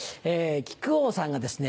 木久扇さんがですね